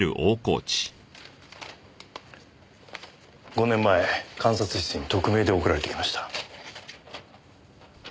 ５年前監察室に匿名で送られてきました。